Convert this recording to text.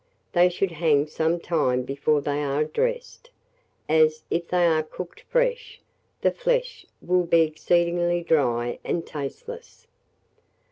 They should hang some time before they are dressed, as, if they are cooked fresh, the flesh will be exceedingly dry and tasteless.